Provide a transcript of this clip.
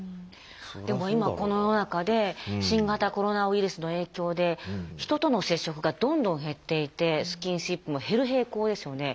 でも今この世の中で新型コロナウイルスの影響で人との接触がどんどん減っていてスキンシップも減る傾向ですよね。